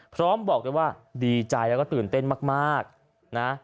พร้อมบอกเลยว่าดีใจและตื่นเต้นมากนะ